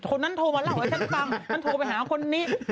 คนนั้นโทรมาเล่าให้ฉันฟังฉันโทรไปหาคนนี้